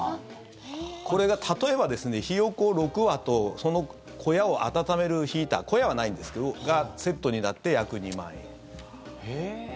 これが例えば、ヒヨコ６羽とその小屋を温めるヒーター小屋はないんですけどそれがセットになって約２万円。